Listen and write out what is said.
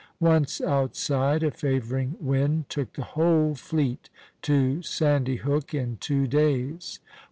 Once outside, a favoring wind took the whole fleet to Sandy Hook in two days.